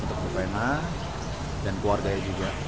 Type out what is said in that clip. untuk bu fena dan keluarganya juga